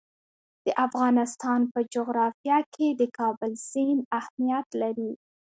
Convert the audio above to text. د افغانستان په جغرافیه کې د کابل سیند اهمیت لري.